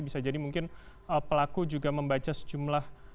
bisa jadi mungkin pelaku juga membaca sejumlah